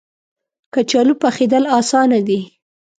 کچالو پخېدل اسانه دي